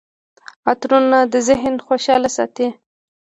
عطرونه د ذهن خوشحاله ساتي.